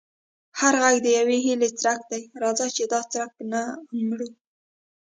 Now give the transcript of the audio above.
هر غږ د یوې هیلې څرک دی، راځه چې دا څرک نه مړوو.